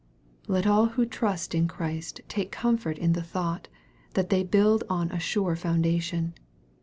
Let all who trust in Christ take comfort in the thought that they build on a sure foundation.